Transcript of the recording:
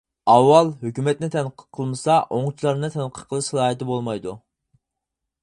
ئاۋۋال ھۆكۈمەتنى تەنقىد قىلمىسا ئوڭچىلارنى تەنقىد قىلىش سالاھىيىتى بولمايدۇ.